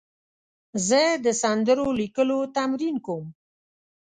زه د سندرو لیکلو تمرین کوم.